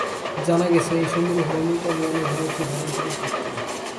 জানা গেছে, এই সুন্দরী হলেন ইতালিয়ান অভিনেত্রী ভ্যালেন্টিনা কর্তি।